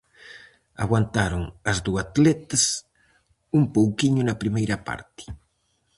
Aguantaron as do Atletes, un pouquiño na primeira parte.